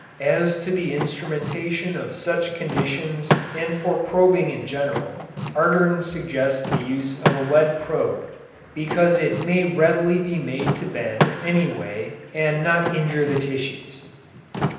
As to the instrumentation of such conditions and for probing in general, Ardern suggests the use of a lead probe, because it may readily be made to bend any way and not injure the tissues.